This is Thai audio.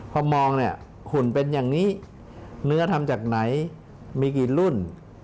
พอมองเนี่ยหุ่นเป็นอย่างนี้เนื้อทำจากไหนมีกี่รุ่น